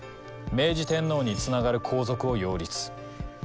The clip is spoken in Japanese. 明治天皇につながる皇族を擁立。